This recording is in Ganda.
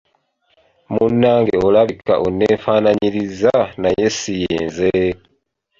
Munnange olabika onnefaanyiriza naye si ye nze.